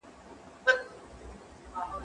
زه اوس لاس پرېولم